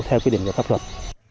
theo quy định của cấp luật